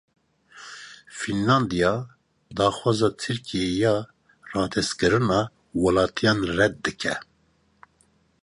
Fînlandiya daxwaza Tirkiyeyê ya radestkirina welatiyan red dike.